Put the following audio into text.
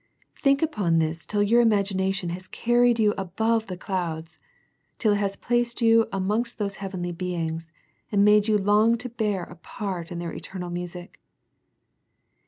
Think upon this, till your imagination has carried you above the clouds, till it has placed you amongst those heavenly beings, and made you long to bear a part in their eternal music.